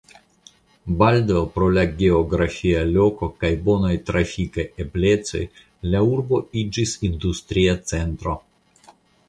Baldaŭ pro la geografia loko kaj bonaj trafikaj eblecoj la urbo iĝis industria centro.